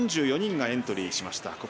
４４人がエントリーしました。